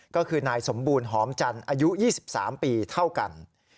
ก็คือนายสมบูรณ์หอมจันทร์อายุ๒๓ปีเท่ากัน